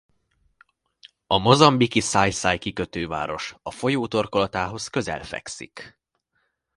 A mozambiki Xai-xai kikötőváros a folyó torkolatához közel fekszik.